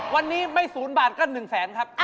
วันนี้ไม่๐บาทก็๑๐๐๐๐๐นะครับ